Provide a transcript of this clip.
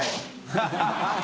ハハハ